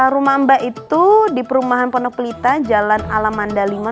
rumah mbak itu di perumahan ponepelita jalan alamanda lima nomor sepuluh